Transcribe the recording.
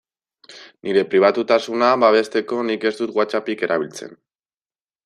Nire pribatutasuna babesteko nik ez dut WhatsAppik erabiltzen.